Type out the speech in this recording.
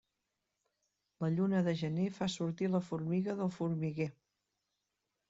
La lluna del gener fa sortir la formiga del formiguer.